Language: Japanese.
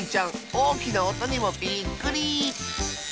おおきなおとにもびっくり！